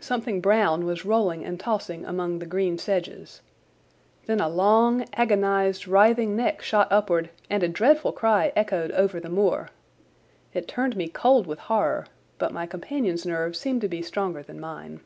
Something brown was rolling and tossing among the green sedges. Then a long, agonised, writhing neck shot upward and a dreadful cry echoed over the moor. It turned me cold with horror, but my companion's nerves seemed to be stronger than mine.